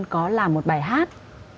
có làm một bài hát